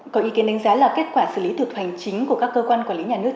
có ý kiến đánh giá là kết quả xử lý thực hành chính của các cơ quan quản lý nhà nước